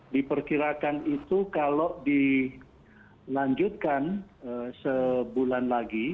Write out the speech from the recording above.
diperkirakan itu kalau dilanjutkan sebulan lagi